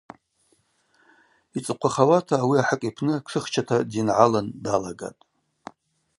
Йцӏыхъвахауата ауи ахӏыкӏ йпны тшыхчата дйынгӏалын далагатӏ.